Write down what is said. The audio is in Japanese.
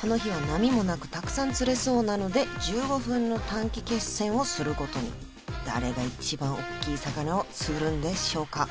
この日は波もなくたくさん釣れそうなので１５分の短期決戦をすることに誰が一番おっきい魚を釣るんでしょうか？